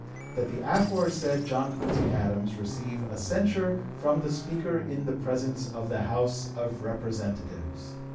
"That the aforesaid John Quincy Adams receive a censure from the Speaker in the presence of the House of Representatives."